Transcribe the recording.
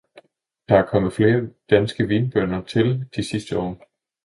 Der er kommet flere danske vinbønder til de sidste år.